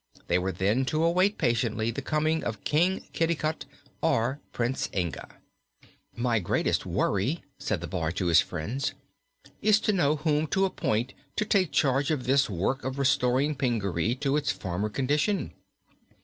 They were then to await patiently the coming of King Kitticut or Prince Inga. "My greatest worry," said the boy to his friends, "is to know whom to appoint to take charge of this work of restoring Pingaree to its former condition.